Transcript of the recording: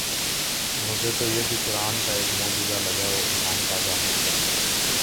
مجھے تو یہ بھی قرآن کا ایک معجزہ لگا اور ایمان تازہ ہوگیا